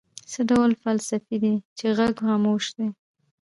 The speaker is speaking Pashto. څه ډول فلاسفې دي چې غږ خاموش دی.